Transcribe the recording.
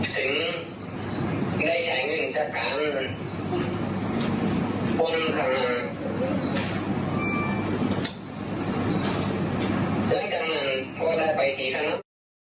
ซึ่งได้ใช้เงินจากการป้นทางแล้วก็ได้ไปกี่ขนมอบ